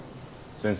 先生。